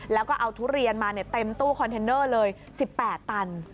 แล้วก็เอาทุเรียนมาเต็มตู้คอนเทนเนอร์เลย๑๘ตัน